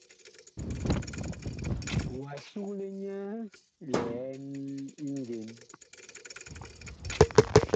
Wa sugle nyɛ liɛn njen ?